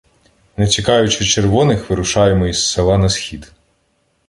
Не чекаючи червоних, вирушаємо із села на схід.